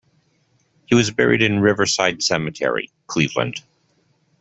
He was buried in Riverside Cemetery, Cleveland.